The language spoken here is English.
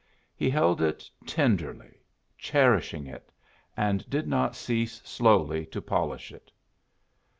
He held it tenderly, cherishing it, and did not cease slowly to polish it.